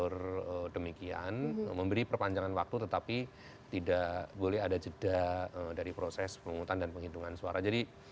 lebih real lebih konkret mungkin nanti